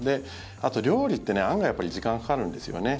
あと、料理って案外時間がかかるんですよね。